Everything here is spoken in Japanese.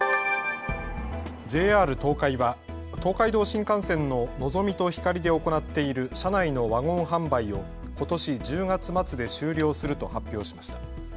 ＪＲ東海は東海道新幹線ののぞみとひかりで行っている車内のワゴン販売をことし１０月末で終了すると発表しました。